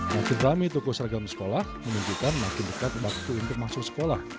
makin rame toko seragam sekolah menunjukkan makin dekat waktu untuk masuk sekolah